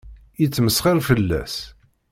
Yettmesxiṛ fell-as.